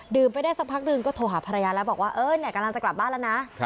ไปได้สักพักหนึ่งก็โทรหาภรรยาแล้วบอกว่าเออเนี่ยกำลังจะกลับบ้านแล้วนะ